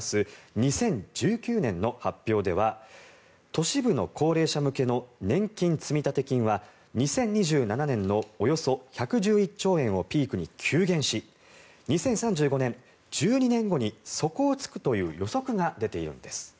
２０１９年の発表では都市部の高齢者向けの年金積立金は２０２７年のおよそ１１１兆円をピークに急減し２０３５年１２年後に底を突くという予測が出ているんです。